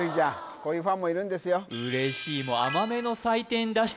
こういうファンもいるんですよ